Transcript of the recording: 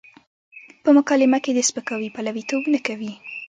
په مکالمه کې د سپکاوي پلويتوب نه کوي.